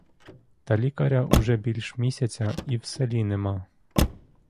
Та лікаря уже більш місяця і в селі нема.